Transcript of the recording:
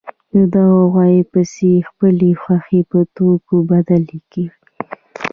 دوی غواړي پیسې د خپلې خوښې په توکو بدلې کړي